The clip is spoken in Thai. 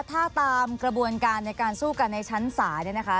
ถ้าตามกระบวนการในการสู้กันในชั้นศาลเนี่ยนะคะ